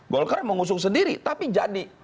golkar mengusung sendiri tapi jadi